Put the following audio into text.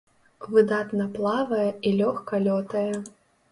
Выдатна плавае і лёгка лётае.